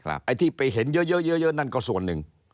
ไอ้ที่ไปเห็นเยอะนั่นก็ส่วนหนึ่ง